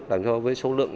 đó là với số lượng